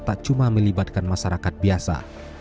tak cuma melibatkan masyarakat biasa